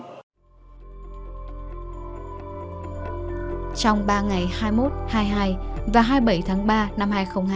trong ba ngày hai mươi một hai mươi hai và hai mươi bảy tháng ba năm hai nghìn hai mươi